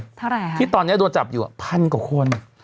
เท่าไหร่คะที่ตอนนี้โดนจับอยู่พันกว่าคน